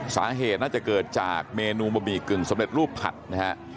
สาเหตุน่าจะเกิดจากเมนูบะหมี่กึ่งสำเร็จรูปผัดนะฮะ